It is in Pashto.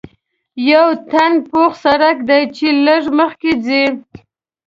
یو تنګ پوخ سړک دی چې لږ مخکې ځې.